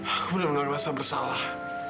aku benar benar merasa bersalah